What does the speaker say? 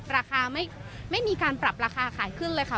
ราคาไม่มีการปรับราคาขายขึ้นเลยค่ะ